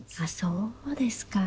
そうですか。